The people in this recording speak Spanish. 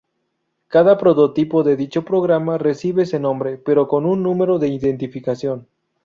Cada prototipo de dicho programa recibe ese nombre, pero con un número de identificación.